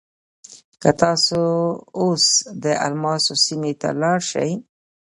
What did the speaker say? که تاسو اوس د الماسو سیمې ته لاړ شئ.